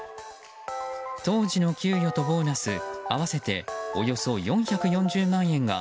当時の給与とボーナス合わせておよそ４４０万円が